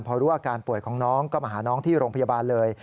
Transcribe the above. พอรู้อาการป่วยของน้องก็มาหาน้องที่โรงพยาบาลเลย